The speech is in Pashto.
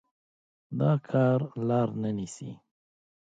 دا کار لار نه نيسي.